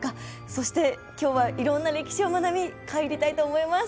そして、今日はいろんな歴史を学び帰りたいと思います。